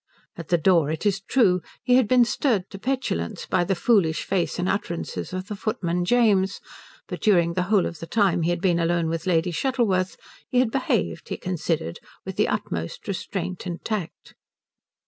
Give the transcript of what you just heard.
At the door, it is true, he had been stirred to petulance by the foolish face and utterances of the footman James, but during the whole of the time he had been alone with Lady Shuttleworth he had behaved, he considered, with the utmost restraint and tact.